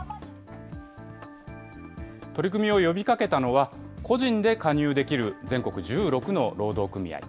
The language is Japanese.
取り組みを呼びかけたのは、個人で加入できる全国１６の労働組合。